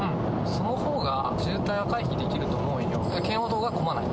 そのほうが渋滞を回避できると思うよ。